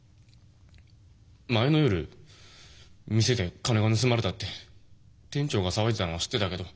前の夜店で金が盗まれたって店長が騒いでたのは知ってたけど。